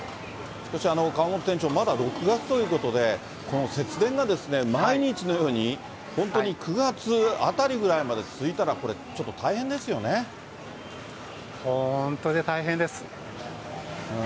そして、河本店長、まだ６月ということで、この節電が毎日のように、本当に９月あたりぐらいまで続いたら、これちょっと大変本当に大変です。